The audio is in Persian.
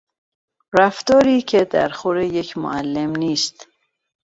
رفتاری که در خور یک معلم نیست